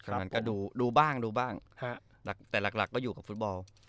มันก็ดูบ้างดูบ้างแต่หลักก็อยู่กับฟุตบอล